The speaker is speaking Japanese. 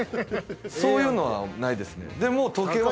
そういうのはないですね。